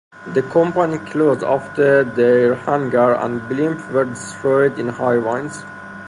The company closed after their hangar and blimp were destroyed in high winds.